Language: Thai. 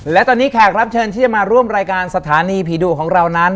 และตอนนี้แขกรับเชิญที่จะมาร่วมรายการสถานีผีดุของเรานั้น